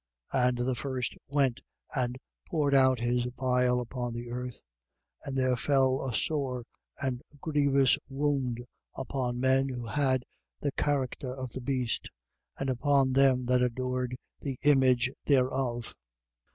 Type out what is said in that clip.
16:2. And the first went and poured out his vial upon the earth. And there fell a sore and grievous wound upon men who had the character of the beast: and upon them that adored the image thereof.